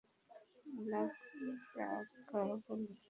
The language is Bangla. ব্ল্যাক বক্সে বলো।